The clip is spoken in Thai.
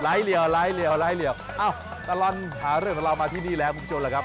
เดี๋ยวเราไปเจอกันต่อในสตูดิโอกับ